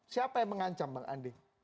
siapa yang mengancam bang andi